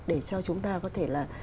để cho chúng ta có thể là